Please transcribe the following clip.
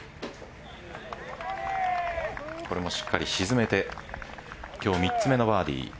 これもしっかり沈めて今日３つ目のバーディー。